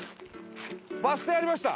バス停ありました！